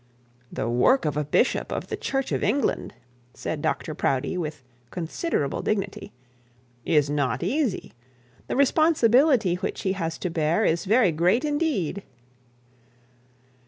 'The work of a bishop of the Church of England,' said Dr Proudie, with considerable dignity, 'is not easy. The responsibility which he has to bear is very great indeed.'